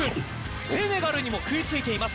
セネガルにも食いついています。